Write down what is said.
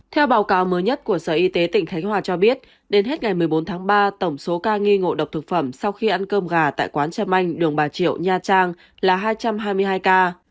theo báo cáo mới nhất của sở y tế tỉnh khánh hòa cho biết đến hết ngày một mươi bốn tháng ba tổng số ca nghi ngộ độc thực phẩm sau khi ăn cơm gà tại quán trâm anh đường bà triệu nha trang là hai trăm hai mươi hai ca